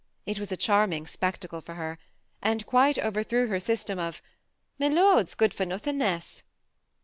It was a charming spectacle for her, and quite overthrew her system of " my lord's good for nothingness."